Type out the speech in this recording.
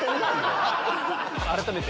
改めて。